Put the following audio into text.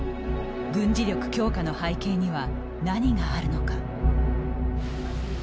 軍事力強化の背景には何があるのか。